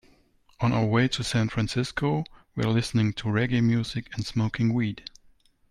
On our way to San Francisco, we were listening to reggae music and smoking weed.